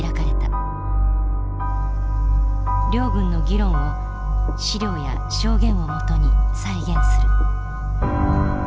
両軍の議論を資料や証言を基に再現する。